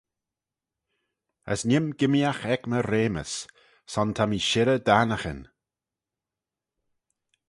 As nee'm gimmeeaght ec my reamys: son ta mee shirrey dt'annaghyn.